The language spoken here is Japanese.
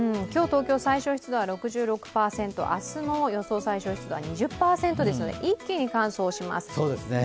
今日、東京最小湿度は６６％明日の予想最小湿度は２０％ですので一気に乾燥します。